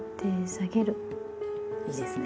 いいですね。